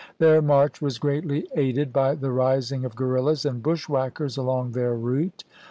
Theu' march was greatly aided by the rising of guerrillas and bushwhackers along their route.